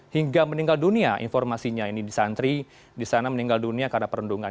hingga meninggal dunia informasinya ini di santri disana meninggal dunia karena perundungan